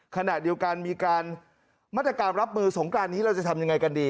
ขณะเดียวกันมีการมาตรการรับมือสงกรานนี้เราจะทำยังไงกันดี